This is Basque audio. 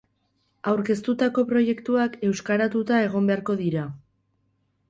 aurkeztutako proiektuak euskaratuta egon beharko dira